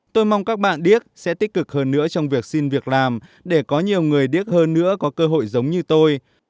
tôi mong các bạn điếc sẽ tích cực hơn nữa trong việc xin việc làm để có nhiều người điếc hơn nữa có cơ hội giống như tôi